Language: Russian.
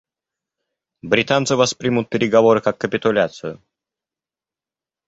Британцы воспримут переговоры как капитуляцию.